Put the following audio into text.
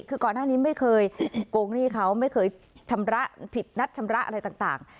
คือก่อนหน้านี้ไม่เคยโกงหนี้เขาไม่เคยชำระผิดนัดชำระอะไรต่าง